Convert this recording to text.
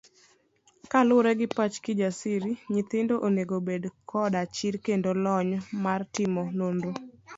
Kaluwore gi pach Kijasir, nyithindo onego obed koda chir kendo lony mar timo nonro.